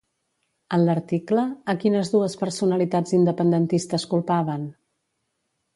En l'article, a quines dues personalitats independentistes culpaven?